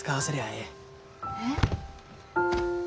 えっ！